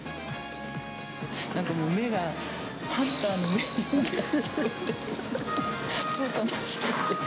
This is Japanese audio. なんかもう目がハンターの目になっちゃって。